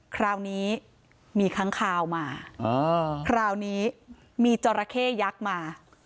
คราวนี้มีค้างคาวมาคราวนี้มีจราเข้ยักษ์มา